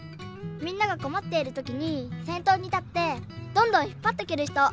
みんながこまっているときにせんとうにたってどんどんひっぱっていけるひと。